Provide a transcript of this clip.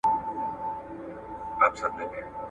لپی لپی یې لا ورکړل غیرانونه